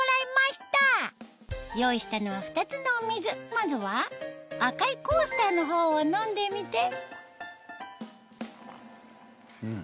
まずは赤いコースターの方を飲んでみてうん